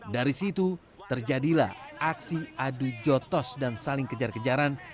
dari situ terjadilah aksi adu jotos dan saling kejar kejaran